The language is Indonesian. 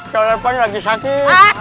kalau lepas lagi sakit